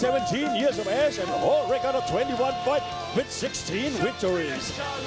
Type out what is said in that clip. การอยู่สู่การไหนรักทั้งหมด๑๗ปีแล้วได้ถึง๒๑การเกี้ยง